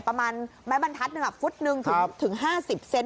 ประมาณแม้บันทัศน์๑ฟุตถึง๕๐๖๐เซนต์